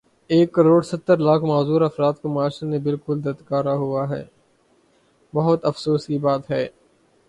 ایک کڑوڑ ستر لاکھ معذور افراد کو معاشرے نے بلکل دھتکارا ہوا ہے بہت افسوس کی بات ہے